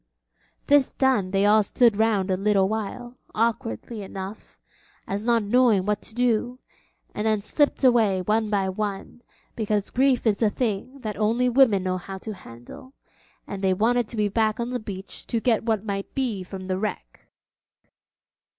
This done they all stood round a little while, awkwardly enough, as not knowing what to do; and then slipped away one by one, because grief is a thing that only women know how to handle, and they wanted to be back on the beach to get what might be from the wreck.